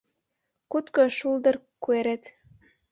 Кутко шулдыр куэрет.